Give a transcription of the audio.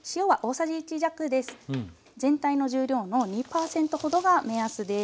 全体の重量の２％ほどが目安です。